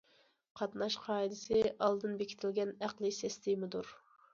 قاتناش قائىدىسى ئالدىن بېكىتىلگەن ئەقلىي سىستېمىدۇر.